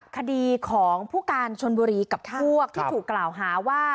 คดีของผู้การชนบุรีกับพวกที่ถูกกล่าวหาว่า